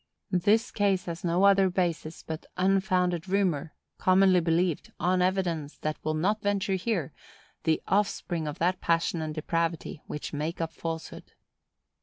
This case has no other basis but unfounded rumor, commonly believed, on evidence that will not venture here, the offspring of that passion and depravity which make up falsehood.